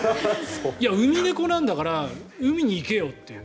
ウミネコなんだから海に行けよという。